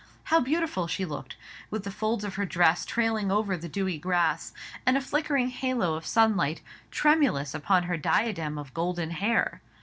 How beautiful she looked, with the folds of her dress trailing over the dewy grass, and a flickering halo of sunlight tremulous upon her diadem of golden hair!